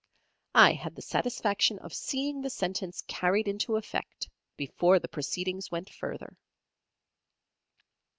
I had the satisfaction of seeing the sentence carried into effect, before the proceedings went further.